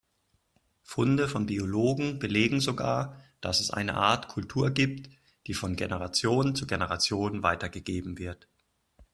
Funde von Biologen belegen sogar, dass es eine Art Kultur gibt, die von Generation zu Generation weitergegeben wird.